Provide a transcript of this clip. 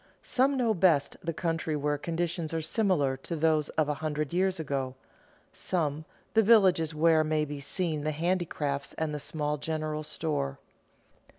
Some know best the country where conditions are similar to those of a hundred years ago; some, the villages where may be seen the handicrafts and the small general store.